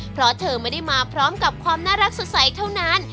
เพราะเธอไม่ได้มาพร้อมกับความน่ารักสดใสเท่านั้น